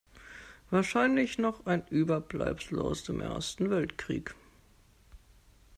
Wahrscheinlich noch ein Überbleibsel aus dem Ersten Weltkrieg.